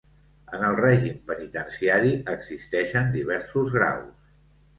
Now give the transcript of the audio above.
En el règim penitenciari, existeixen diversos graus.